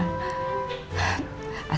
asal jangan berlebihan mbak